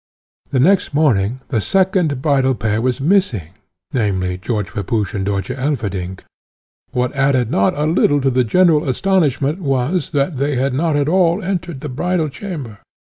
The next morning the second bridal pair was missing, namely, George Pepusch and Dörtje Elverdink; what added not a little to the general astonishment was, that they had not at all entered the bridal chamber.